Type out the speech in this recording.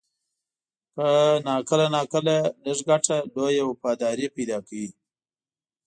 کله ناکله لږ ګټه، لویه وفاداري پیدا کوي.